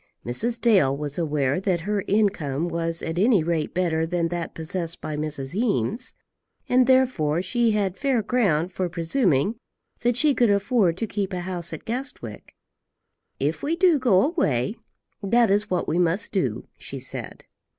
Mrs. Dale was aware that her income was at any rate better than that possessed by Mrs. Eames, and therefore she had fair ground for presuming that she could afford to keep a house at Guestwick. "If we do go away, that is what we must do," she said.